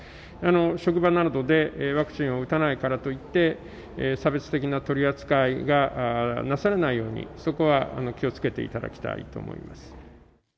職場などでワクチンを打たないからといって、差別的な取り扱いがなされないように、そこは気をつけていただきたいと思います。